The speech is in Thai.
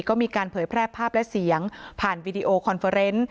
ก็มีการเผยแพร่ภาพและเสียงผ่านโค้งเวต